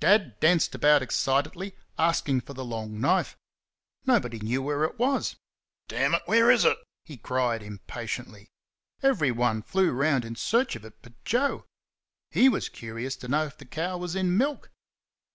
Dad danced about excitedly, asking for the long knife. Nobody knew where it was. "DAMN it, where is it?" he cried, impatiently. Everyone flew round in search of it but Joe. HE was curious to know if the cow was in milk.